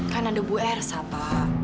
kan ada bu ersa pak